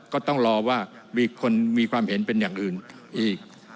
ก็ต้องรอว่ามีคนมีความเห็นเป็นอย่างอื่นอีก